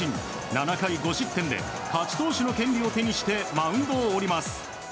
７回５失点で勝ち投手の権利を手にしてマウンドを降ります。